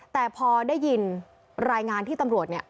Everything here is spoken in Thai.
แต่พอได้ยินรายงานที่ตำรวจเนี่ย